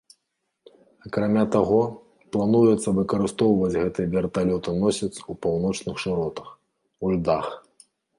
Акрамя таго, плануецца выкарыстоўваць гэты верталётаносец у паўночных шыротах, у льдах.